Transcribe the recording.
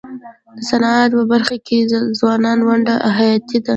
د صنعت په برخه کي د ځوانانو ونډه حیاتي ده.